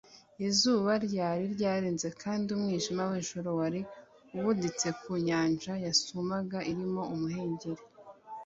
izuba ryari ryarenze, kandi umwijima w’ijoro wari ubuditse ku nyanja yasumaga irimo umuhengeri